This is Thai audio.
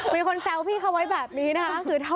มีคนแซวพี่เขาไว้แบบนี้นะคะ